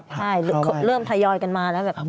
ผมก็ผลักเข้าบ้านแล้วเริ่มทะยอยกันมาแล้วแบบ